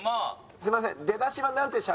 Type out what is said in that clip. すいません。